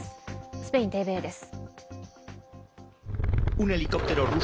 スペインＴＶＥです。